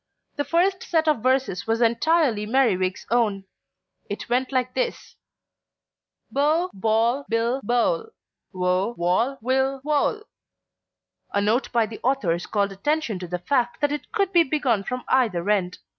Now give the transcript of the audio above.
The first set of verses was entirely Merriwig's own. It went like this: Bo, boll, bill, bole. Wo, woll, will, wole. A note by the authors called attention to the fact that it could be begun from either end.